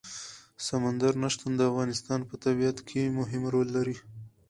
سمندر نه شتون د افغانستان په طبیعت کې مهم رول لري.